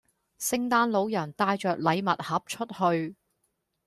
聖誕老人帶着禮物盒出去